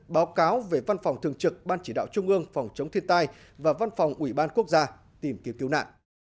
báo cáo về văn phòng thường trực ban chỉ đạo trung ương phòng chống thiên tai và văn phòng ủy ban quốc gia tìm kiếm cứu nạn